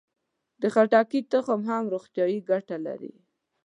د خټکي تخم هم روغتیایي ګټه لري.